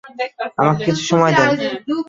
আমাকে কিছু সময় দেন।